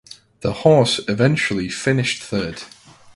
The horse eventually finished third.